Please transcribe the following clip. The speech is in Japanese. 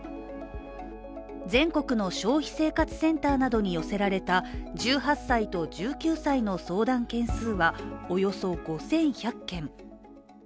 全国の消費生活センターなどに寄せられた１８歳と１９歳の相談件数はおよそ５１００件。